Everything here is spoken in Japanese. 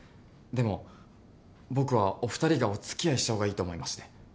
でも僕はお二人がお付き合いした方がいいと思いまして。